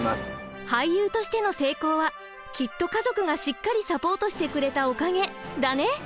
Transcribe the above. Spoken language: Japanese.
俳優としての成功はきっと家族がしっかりサポートしてくれたおかげだね。